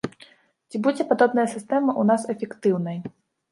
Ці будзе падобная сістэма ў нас эфектыўнай?